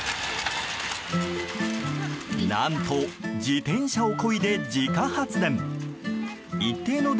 何と自転車をこいで自家発電。